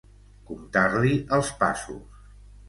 Comptar-li els passos.